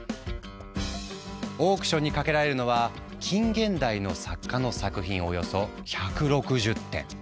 オークションにかけられるのは近現代の作家の作品およそ１６０点。